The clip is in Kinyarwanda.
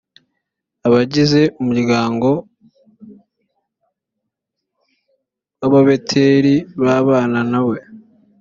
abagize umuryango wa beteli babana nawe.